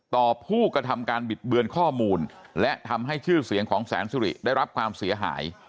ต่อผู้กระทำการบิดเบือนข้อมูลและทำให้ชื่อเสียงของแสนสุริได้รับความเสียหาย